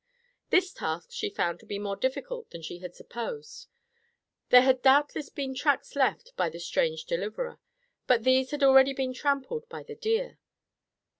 This task she found to be more difficult than she had supposed. There had doubtless been tracks left by the strange deliverer, but these had already been trampled by the deer.